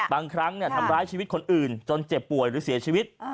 บางครั้งทำร้ายชีวิตคนอื่นจนเจ็บป่วยหรือเสียชีวิต